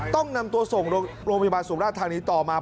ต้องนำตัวส่งโรงพยาบาลสุราชธานีต่อมา